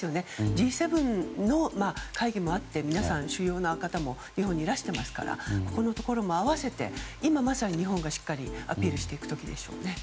Ｇ７の会議もあって主要な方も日本にいらしているのでここのところも併せて今まさに日本がしっかりアピールしていく時でしょうね。